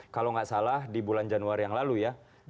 kalau nggak salah di bulan januari yang lalu ya